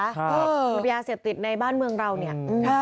มันยาเสพติดในบ้านเมืองเราเนี่ย